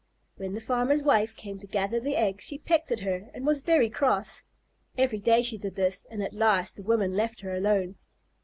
When the farmer's wife came to gather the eggs she pecked at her and was very cross. Every day she did this, and at last the woman let her alone.